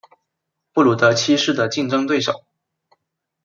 布鲁德七世的竞争对手。